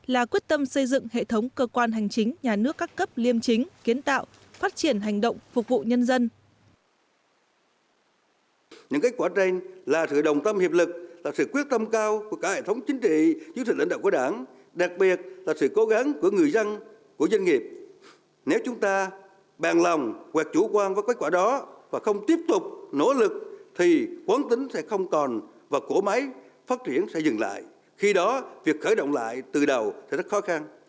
là quyết tâm xây dựng hệ thống cơ quan hành chính nhà nước các cấp liêm chính kiến tạo phát triển hành động phục vụ nhân dân